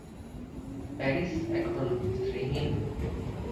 Paris এখন শ্রীহীন।